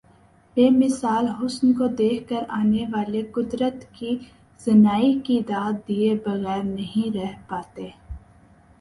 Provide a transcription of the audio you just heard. بے مثال حسن کو دیکھ کر آنے والے قدرت کی صناعی کی داد دئے بغیر نہیں رہ پاتے ۔